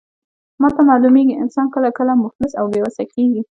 ماته معلومیږي، انسان کله کله مفلس او بې وسه کیږي.